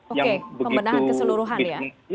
oke pembenahan keseluruhan ya